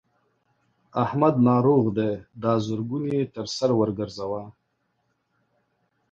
احمد ناروغ دی؛ دا زرګون يې تر سر ور ګورځوه.